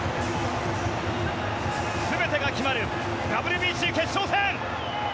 全てが決まる、ＷＢＣ決勝戦！